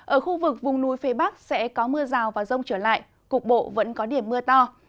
ở khu vực vùng núi phía bắc sẽ có mưa rào và rông trở lại cục bộ vẫn có điểm mưa to